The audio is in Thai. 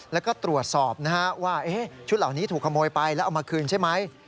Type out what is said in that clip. แล้วก็ตรวจสอบนะฮะว่าชุดเหล่านี้ถูกขโมยไปแล้วเอามาคืนใช่ไหม